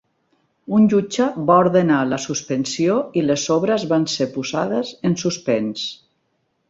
Un jutge va ordenar la suspensió i les obres van ser posades en suspens.